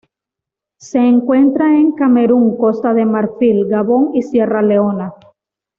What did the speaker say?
Se encuentra en Camerún Costa de Marfil, Gabón y Sierra Leona.